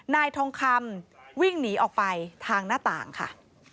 นายทองคำวิ่งหนีออกไปทางหน้าต่างค่ะ